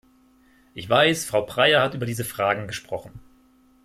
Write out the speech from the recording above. Ich weiß, Frau Breyer hat über diese Fragen gesprochen.